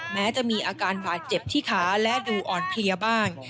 แม้จะมีอาการบาดเจ็บที่ขาและดูอ่อนเพลียบ้าง